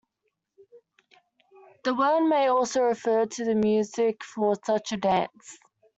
The word may also refer to the music for such a dance.